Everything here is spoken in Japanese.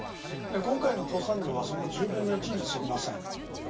今回の増産量はその１０分の１にすぎません。